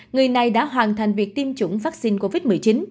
người này đã hoàn thành việc tiêm chủng vắc xin covid một mươi chín